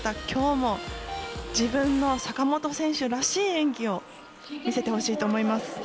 きょうも、自分の坂本選手らしい演技を見せてほしいと思います。